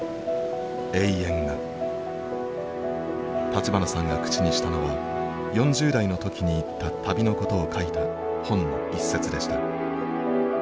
立花さんが口にしたのは４０代の時に行った旅のことを書いた本の一節でした。